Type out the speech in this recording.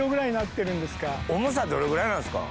重さどれぐらいなんですか？